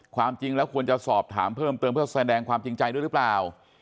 ความจริงแล้วควรจะสอบถามเพิ่มเติมเพื่อแสดงความจริงใจด้วยหรือเปล่า